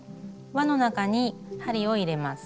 輪の中に針を入れます。